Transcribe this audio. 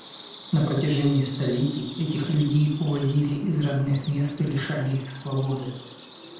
На протяжении столетий этих людей увозили из родных мест и лишали их свободы.